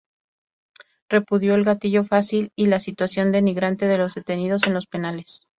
Repudió el "gatillo fácil" y la situación denigrante de los detenidos en los penales.